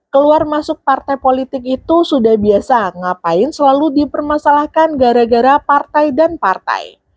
keluar masuk partai politik itu sudah biasa ngapain selalu dipermasalahkan gara gara partai dan partai